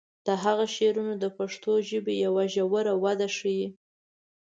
د هغه شعرونه د پښتو ژبې یوه ژوره وده ښیي.